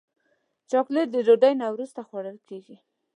چاکلېټ د ډوډۍ نه وروسته خوړل کېږي.